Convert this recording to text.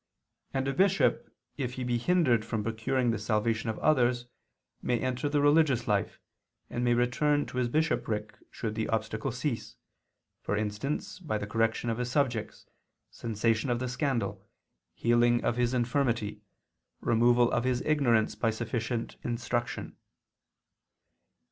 And a bishop, if he be hindered from procuring the salvation of others, may enter the religious life, and may return to his bishopric should the obstacle cease, for instance by the correction of his subjects, cessation of the scandal, healing of his infirmity, removal of his ignorance by sufficient instruction.